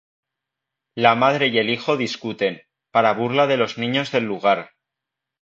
La madre y el hijo discuten, para burla de los niños del lugar.